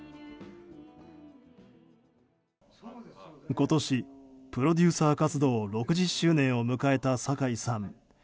今年、プロデューサー活動６０周年を迎えた酒井さん。